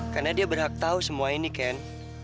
karena dia berhak tahu semua ini ken